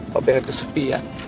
papi akan kesepian